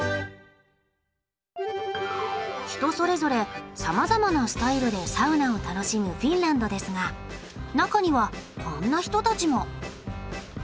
人それぞれさまざまなスタイルでサウナを楽しむフィンランドですが中にはこんな人たちも。